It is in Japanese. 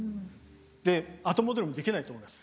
で後戻りもできないと思います。